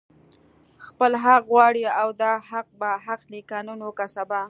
خپل حق غواړي او دا حق به اخلي، که نن وو که سبا